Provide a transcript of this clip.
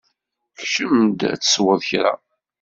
Kcem-d ad tesweḍ kra.